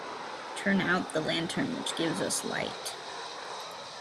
Turn out the lantern which gives us light.